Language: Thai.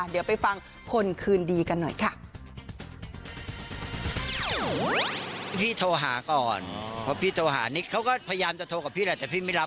เดี๋ยวไปฟังคนคืนดีกันหน่อยค่ะ